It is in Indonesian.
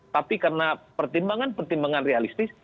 tapi karena pertimbangan pertimbangan realistis